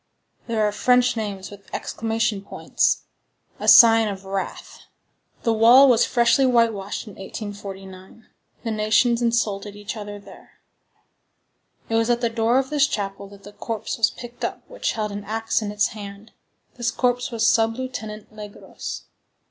There are French names with exclamation points,—a sign of wrath. The wall was freshly whitewashed in 1849. The nations insulted each other there. It was at the door of this chapel that the corpse was picked up which held an axe in its hand; this corpse was Sub Lieutenant Legros.